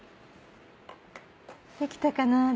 できたかな？